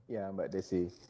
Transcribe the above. ya mbak desi